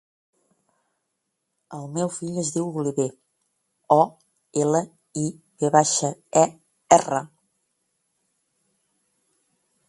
El meu fill es diu Oliver: o, ela, i, ve baixa, e, erra.